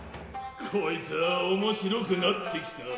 こいつぁ面白くなってきた。